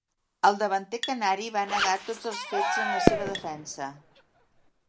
El davanter canari va negar tots els fets en la seva defensa.